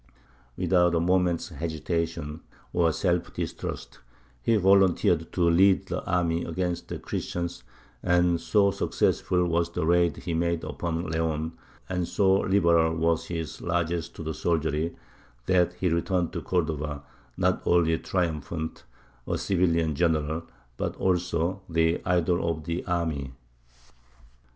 Without a moment's hesitation or self distrust, he volunteered to lead the army against the Christians; and so successful was the raid he made upon Leon, and so liberal was his largesse to the soldiery, that he returned to Cordova, not only triumphant a civilian general but also the idol of the army.